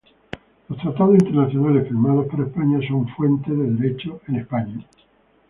Los Tratados Internacionales firmados por España son fuente de derecho en España.